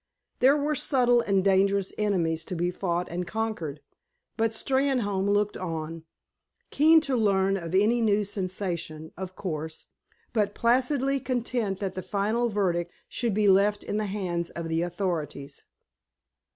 There were subtle and dangerous enemies to be fought and conquered, but Steynholme looked on, keen to learn of any new sensation, of course, but placidly content that the final verdict should be left in the hands of the authorities.